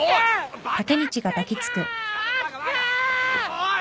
おい！